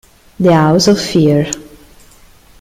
The House of Fear